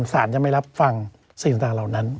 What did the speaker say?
สารยังไม่รับฟังสิ่งต่างเหล่านั้น